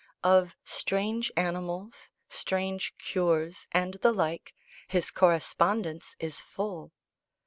Of strange animals, strange cures, and the like, his correspondence is full.